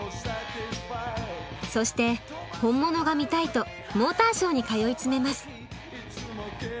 そして本物が見たいとモーターショーに通い詰めます。